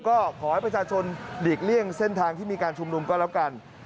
ก็ขอให้ประชาชนหลีกเลี่ยงเส้นทางที่มีการชุมนุมก็แล้วกัน